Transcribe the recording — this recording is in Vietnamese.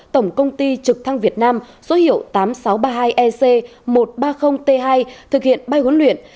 tổng công ty trực thăng việt nam số hiệu tám nghìn sáu trăm ba mươi hai ec một trăm ba mươi t hai thực hiện bay huấn luyện